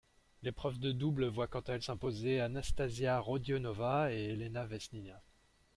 L'épreuve de double voit quant à elle s'imposer Anastasia Rodionova et Elena Vesnina.